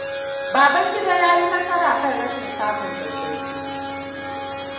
Babangida ya yi nasara kan rashin samun daidaito.